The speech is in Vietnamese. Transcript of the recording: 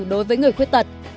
đối với người khuyết thật